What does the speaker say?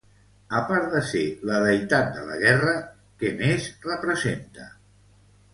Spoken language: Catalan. A part de ser la deïtat de la guerra, què més representa?